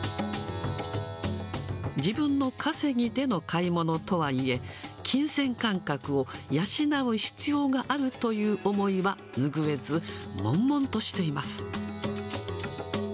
自分の稼ぎでの買い物とはいえ、金銭感覚を養う必要があるという思いは拭えず、もんもんとしています。